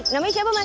namanya siapa mas